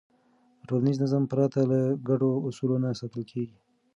ټولنیز نظم پرته له ګډو اصولو نه ساتل کېږي.